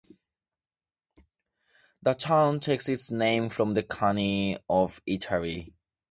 The town takes its name from the country of Italy.